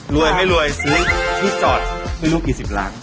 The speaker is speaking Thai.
รวยไม่รวยซื้อที่จอดไม่รู้กี่สิบล้าน